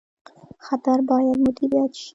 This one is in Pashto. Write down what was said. خطر باید مدیریت شي